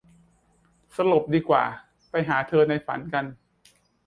สลบดีกว่า ไปหาเธอในฝันกัน